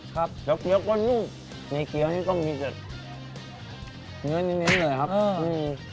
ครับแล้วเกี๊ยวก็นุ่มในเกี๊ยวนี่ต้องมีเจ็ดเนื้อนิดนิดเลยครับอืม